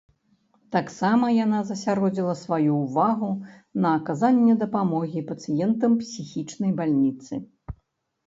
Таксама яна засяродзіла сваю ўвагу на аказанні дапамогі пацыентам псіхічнай бальніцы.